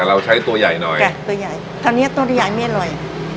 แต่เราใช้ตัวใหญ่หน่อยใช่ตัวใหญ่คราวนี้ตัวใหญ่ไม่ร้อย